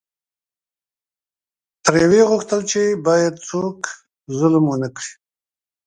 ترې وې غوښتل چې باید څوک ظلم ونکړي.